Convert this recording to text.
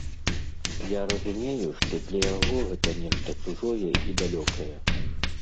Я разумею, што для яго гэта нешта чужое і далёкае.